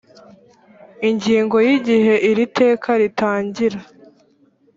ingingo ya igihe iri iteka ritangira